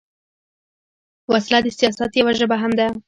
وسله د سیاست یوه ژبه هم ده